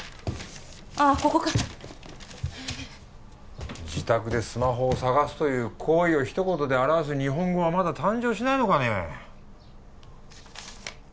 ああここか自宅でスマホを捜すという行為を一言で表す日本語はまだ誕生しないのかねえ